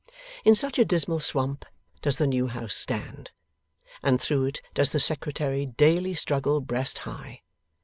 In such a Dismal Swamp does the new house stand, and through it does the Secretary daily struggle breast high.